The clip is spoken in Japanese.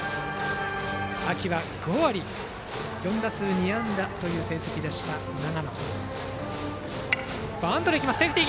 秋は５割４打数２安打という成績の長野。